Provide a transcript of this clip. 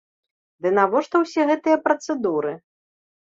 Ды навошта ўсе гэтыя працэдуры?